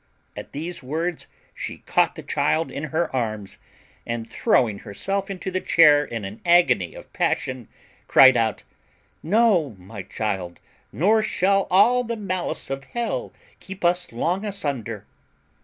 At these words she caught the child in her arms, and, throwing herself into the chair in an agony of passion, cried out, "No, my child; nor shall all the malice of hell keep us long asunder."